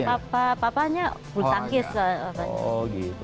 bapaknya bul tangis